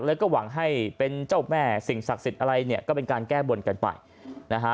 แล้วก็หวังให้เป็นเจ้าแม่สิ่งศักดิ์สิทธิ์อะไรเนี่ยก็เป็นการแก้บนกันไปนะฮะ